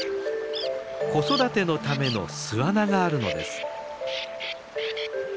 子育てのための巣穴があるのです。